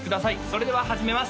それでは始めます